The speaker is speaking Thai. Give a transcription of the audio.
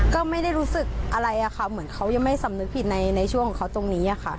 ก็ไม่ได้รู้สึกอะไรอะค่ะเหมือนเขายังไม่สำนึกผิดในช่วงของเขาตรงนี้ค่ะ